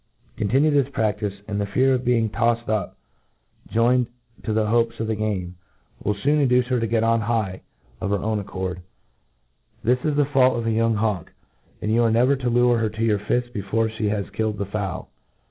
Continue this fn6kkr^ abd the fear of being tofied up, joi^ * ed to lb* hop<rs of game, wiB foon induce her ix> get €ki higb of her own fecc^d. This is the fault of a young hawk j and yon are never to lure her to your fift before flic has kiBed the fowl.